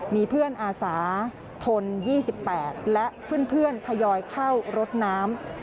มีเพื่อนอาสาทน๒๘และเพื่อนทยอยเข้ารถน้ำ